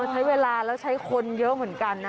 ใช้เวลาแล้วใช้คนเยอะเหมือนกันนะ